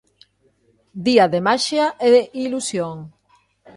Día de maxia e ilusión.